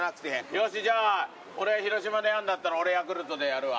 よしじゃあこれ広島でやるんだったら俺ヤクルトでやるわ。